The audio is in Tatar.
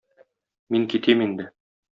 Мин китим инде.